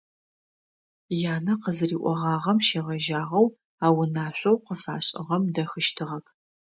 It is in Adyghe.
Янэ къызыриӏогъагъэм щегъэжьагъэу а унашъоу къыфашӏыгъэм дэхыщтыгъэп.